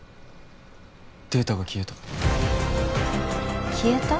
データが消えた消えた？